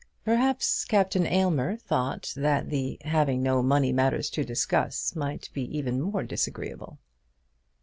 Perhaps Captain Aylmer thought that the having no money matters to discuss might be even more disagreeable.